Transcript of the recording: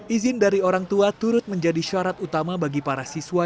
izin dari orang tua turut menjadi syarat utama bagi para siswa